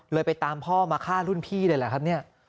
ไปตามพ่อมาฆ่ารุ่นพี่เลยแหละครับเนี่ย